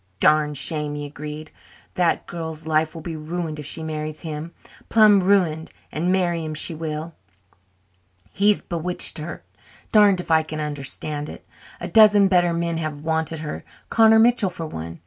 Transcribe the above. "Darned shame," he agreed. "That girl's life will be ruined if she marries him, plum' ruined, and marry him she will. He's bewitched her darned if I can understand it. A dozen better men have wanted her Connor Mitchell for one.